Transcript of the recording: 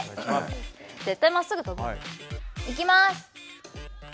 絶対まっすぐ飛ぶ。いきます！